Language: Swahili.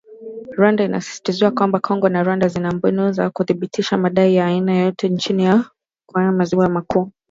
Rwanda inasisitizwa kwamba “Kongo na Rwanda zina mbinu za kuthibitisha madai ya aina yoyote chini ya ushirika wa nchi za maziwa makuu